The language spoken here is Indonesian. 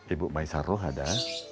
ibu maisaruh ada